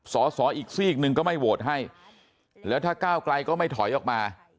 สอสออีกซีกหนึ่งก็ไม่โหวตให้แล้วถ้าก้าวไกลก็ไม่ถอยออกมา